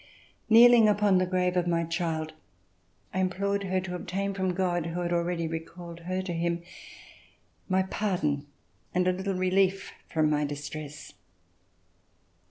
Kneeling upon the grave of my child, I implored her to obtain from God, who had already recalled her to Him, my pardon and a little relief from my distress.